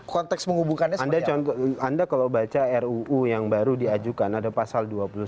konteks menghubungkan anda contoh anda kalau baca ruu yang baru diajukan ada pasal